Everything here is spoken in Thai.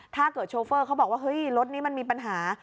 โชเฟอร์เขาบอกว่าเฮ้ยรถนี้มันมีปัญหา